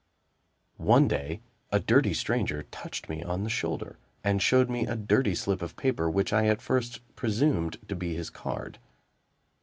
One day, a dirty stranger touched me on the shoulder, and showed me a dirty slip of paper which I at first presumed to be his card.